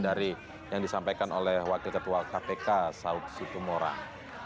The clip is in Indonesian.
dari yang disampaikan oleh wakil ketua kpk saud situmorang